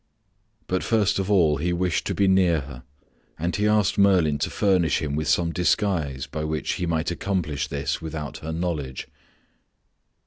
But first of all he wished to be near her, and he asked Merlin to furnish him with some disguise by which he could accomplish this without her knowledge.